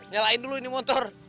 nyalain dulu ini motor